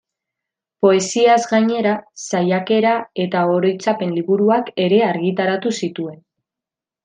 Poesiaz gainera, saiakera eta oroitzapen liburuak ere argitaratu zituen.